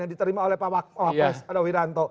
yang diterima oleh pak wapres ada wiranto